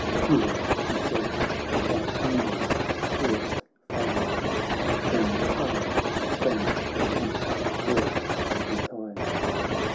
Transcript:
Furious he said, by anger's spirit fired, Then sullen from the Senate walls retired.